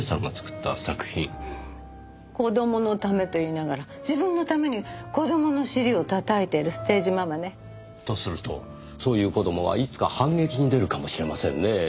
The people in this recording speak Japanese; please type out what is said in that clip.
子供のためと言いながら自分のために子供の尻を叩いてるステージママね。とするとそういう子供はいつか反撃に出るかもしれませんねぇ。